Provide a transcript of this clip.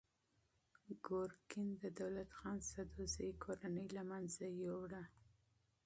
ګورګین د دولت خان سدوزي کورنۍ له منځه یووړه.